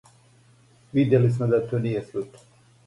Видели смо да то није случај.